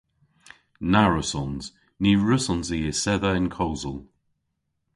Na wrussons. Ny wrussons i esedha yn kosel.